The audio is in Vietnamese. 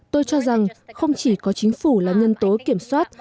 tôi cho rằng không chỉ có chính phủ là nhân tố kiểm soát